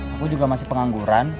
aku juga masih pengangguran